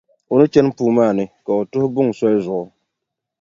O ni chani puu maa ni, ka o tuhi buŋa soli zuɣu.